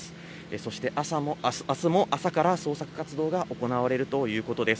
そして、あすも朝から捜索活動が行われるということです。